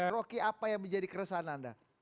rocky apa yang menjadi keresahan anda